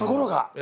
え！？